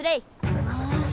よし！